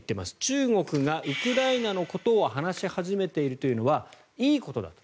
中国がウクライナのことを話し始めているというのはいいことだと。